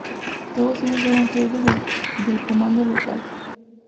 Todos ellos eran jefes del Comando local.